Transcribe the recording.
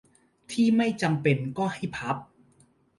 ที่ไม่จำเป็นก็ให้พับ